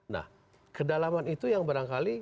nah kedalaman itu yang barangkali